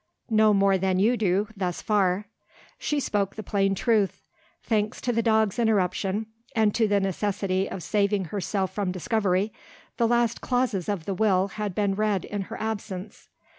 "No more than you do thus far." She spoke the plain truth. Thanks to the dog's interruption, and to the necessity of saving herself from discovery, the last clauses of the Will had been read in her absence.